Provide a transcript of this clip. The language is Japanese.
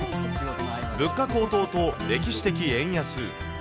物価高騰と歴史的円安。